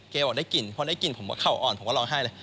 บอกได้กลิ่นพอได้กลิ่นผมก็เข่าอ่อนผมก็ร้องไห้เลย